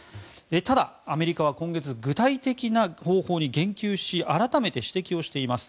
ただ、アメリカは今月具体的な方法に言及し改めて指摘をしています。